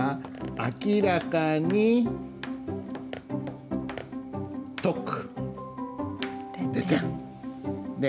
「明らかに説く」。